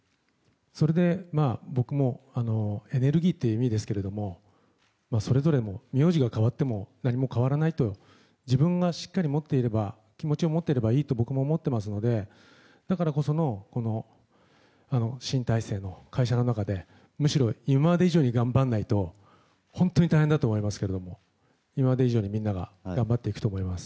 それで僕も、エネルギーという意味ですけれどもそれぞれも名字が変わっても何も変わらないと自分がしっかり気持ちを持っていればいいと僕も思っていますのでだからこその新体制の会社の中でむしろ今まで以上に頑張らないと本当に大変だと思いますけど今まで以上にみんなが頑張っていくと思います。